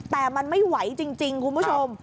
แต่มันไม่ไหวจริงคุณผู้ชม